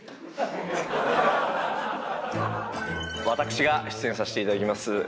私が出演させていただきます